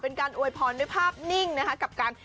เป็นการอวยพรด้วยภาพนิ่งนะคะกับการ